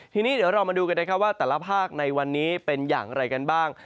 ทีนี้เดี๋ยวเรามาดูกันนะครับว่าแต่ละภาคในวันนี้เป็นอย่างไรกันบ้าง